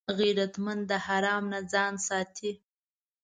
غیرتمند د حرام نه ځان ساتي